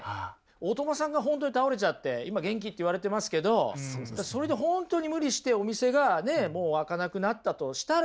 大友さんが本当に倒れちゃって今元気って言われてますけどそれで本当に無理してお店がもう開かなくなったとしたらですよ